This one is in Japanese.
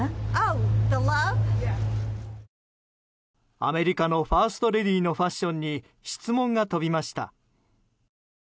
アメリカのファーストレディーのファッションに質問が飛びました。